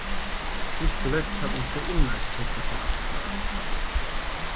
Nicht zuletzt hat uns der Innenarchitekt davon abgeraten.